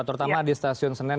terutama di stasiun senin